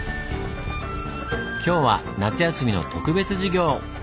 今日は夏休みの特別授業！